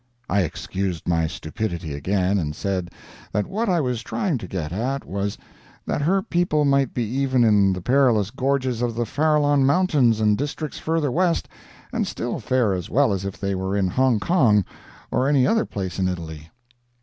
I excused my stupidity again, and said that what I was trying to get at was, that her people might be even in the perilous gorges of the Farrallone Mountains and districts further west, and still fare as well as if they were in Hongkong or any other place in Italy.